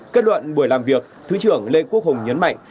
kết luận buổi làm việc thứ trưởng lê quốc hùng nhấn mạnh